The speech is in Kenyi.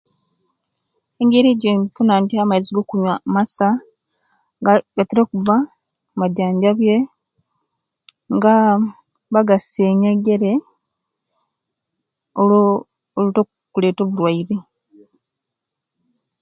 Engeri ejempona nti amaizi gokunyuwa masa gatira okuba maijanjabiye enga bagasengejerie oluwo oluwobuleta obuluwaire